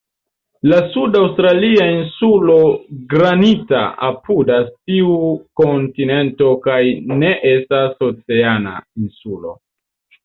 La sud-aŭstralia Insulo Granita apudas tiu kontinento kaj ne estas "oceana" insulo.